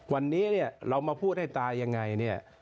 วันนี้เนี่ยเรามาพูดให้ตายยังไงเนี่ย